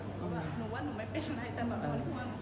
แต่เป็นเถอะ